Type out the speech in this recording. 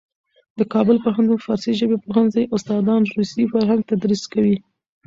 د کابل پوهنتون فارسي ژبې پوهنځي استادان روسي فرهنګ تدریس کوي.